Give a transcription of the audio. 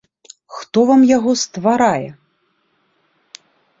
Хто вам яго стварае?